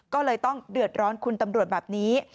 ก็เลยต้องเดือดร้อนคุณตำรวจแบบนี้